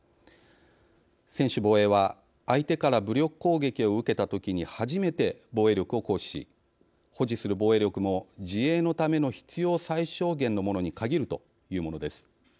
「専守防衛」は「相手から武力攻撃を受けたときに初めて防衛力を行使し保持する防衛力も自衛のための必要最小限のものに限る」というものです。